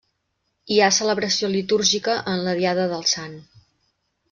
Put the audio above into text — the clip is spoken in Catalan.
Hi ha celebració litúrgica en la diada del Sant.